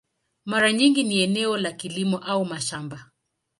Mara nyingi ni eneo la kilimo au mashamba.